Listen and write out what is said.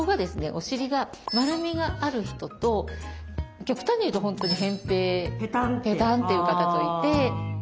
お尻が丸みがある人と極端に言うと本当にへん平ペタンという方といて。